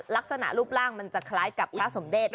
ลักษณะรูปร่างมันจะคล้ายกับพระสมเดช